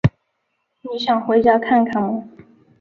你想回家看看吗？